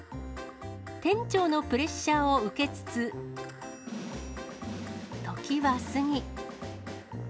店長のプレッシャーを受けつつ、時は過ぎ。